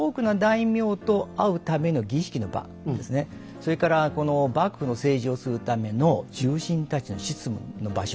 それから幕府の政治をするための重臣たちの執務の場所。